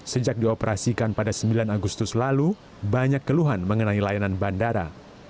sejak dioperasikan pada sembilan agustus lalu banyak keluhan mengenai layanan bandara